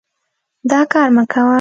دا کار مه کوه.